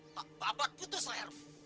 pak bapak putus lerf